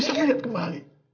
saya bisa lihat kembali